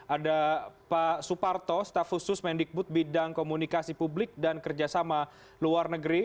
ada pak suparto staf khusus mendikbud bidang komunikasi publik dan kerjasama luar negeri